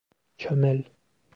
Çömel!